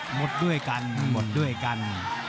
หมดด้วยกันหมดด้วยกัน